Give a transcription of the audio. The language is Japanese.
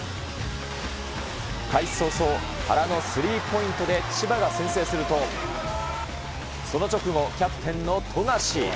開始早々、原のスリーポイントで千葉が先制すると、その直後、キャプテンの富樫。